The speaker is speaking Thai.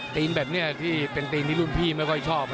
แบบนี้ที่เป็นตีนที่รุ่นพี่ไม่ค่อยชอบ